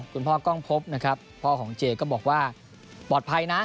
คุณพ่อกล้องพบนะครับพ่อของเจก็บอกว่าปลอดภัยนะ